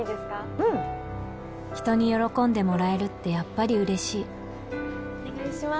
うん人に喜んでもらえるってやっぱり嬉しいお願いします